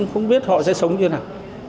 không biết họ sẽ sống như thế nào